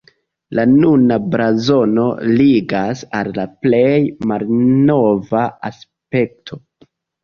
La nuna blazono ligas al la plej malnova aspekto.